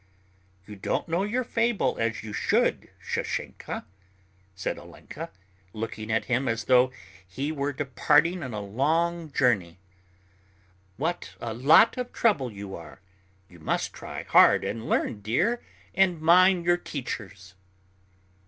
"You don't know your fable as you should, Sashenka," said Olenka, looking at him as though he were departing on a long journey. "What a lot of trouble you are. You must try hard and learn, dear, and mind your teachers."